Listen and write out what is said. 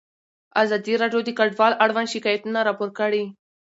ازادي راډیو د کډوال اړوند شکایتونه راپور کړي.